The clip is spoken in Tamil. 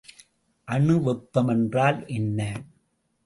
அணு வெப்பம் என்றால் என்ன?